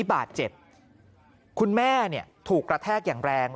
บาดเจ็บคุณแม่ถูกกระแทกอย่างแรง